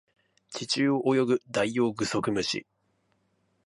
地中を泳ぐダイオウグソクムシ